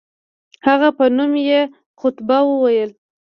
هغه په نوم یې خطبه وویل.